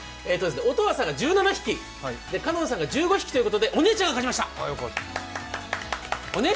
音羽さんが１７匹、翔音さんが１５匹ということで、お姉ちゃんが勝ちました。